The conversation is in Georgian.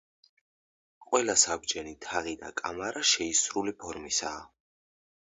ყველა საბჯენი თაღი და კამარა შეისრული ფორმისაა.